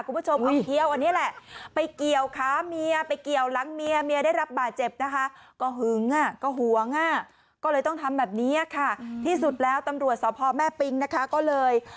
คุณผู้ชมเอาเคี่ยวอันนี้แหละไปเกี่ยวค้าเมียไปเกี่ยวหลังเมีย